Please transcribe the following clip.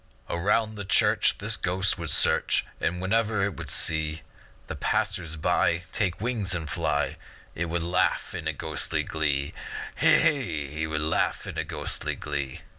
Around the church This Ghost would search, And whenever it would see The passers by Take wings and fly It would laugh in ghostly glee, Hee, hee! It would laugh in ghostly glee.